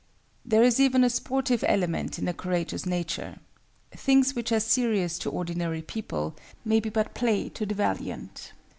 There is even a sportive element in a courageous nature. Things which are serious to ordinary people, may be but play to the valiant.